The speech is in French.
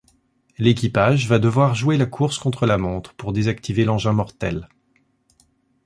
L'équipage va devoir jouer la course contre la montre pour désactiver l'engin mortel.